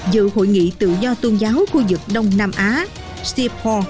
dự hội nghị tự do tôn giáo khu vực đông nam á sip bốn